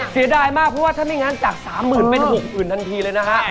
เสียดายมากเพราะว่าถ้าไม่งั้นจาก๓๐๐๐เป็น๖๐๐๐ทันทีเลยนะฮะ